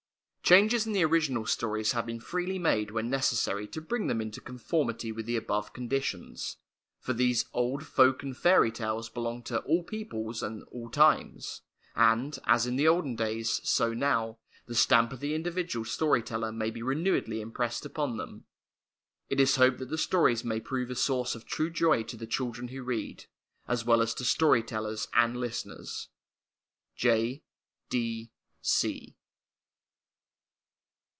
Changes in the original stories have been freely made when necessary to bring them into conformity with the above conditions, for these old folk and fairy tales belong to all peoples and all times; and, as in the olden days, so now, the stamp of the individual story teller may be renewedly impressed upon them. It is hoped that the stories may prove a source of true joy to the children who read, as well as to story tellers and listeners. J.